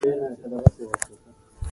د چین خلک ډېر منظم ژوند لري.